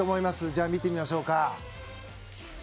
じゃあ見てみましょうか。